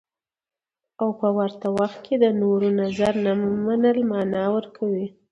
او په ورته وخت کې د نورو نظر نه منل مانا ورکوي.